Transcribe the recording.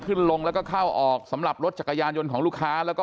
ขึ้นลงแล้วก็เข้าออกสำหรับรถจักรยานยนต์ของลูกค้าแล้วก็